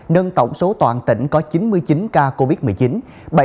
nâng tổng số toàn tỉnh có chín mươi chín ca covid một mươi chín